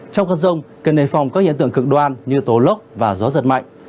trong các rông cần đề phòng các hiện tượng cực đoan như tố lốc và gió giật mạnh